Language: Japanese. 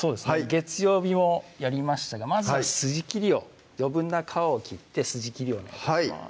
月曜日もやりましたがまずは筋切りを余分な皮を切って筋切りお願い致します